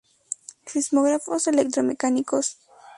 Sismógrafos electromecánicos.